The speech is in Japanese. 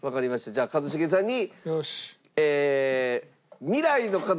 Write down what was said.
じゃあ一茂さんに。